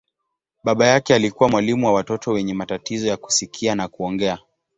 Baba yake alikuwa mwalimu wa watoto wenye matatizo ya kusikia na kuongea.